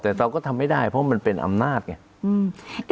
แต่เราก็ทำไม่ได้เพราะมันเป็นอำนาจไง